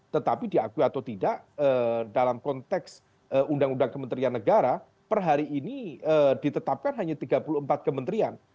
tetapi diakui atau tidak dalam konteks undang undang kementerian negara per hari ini ditetapkan hanya tiga puluh empat kementerian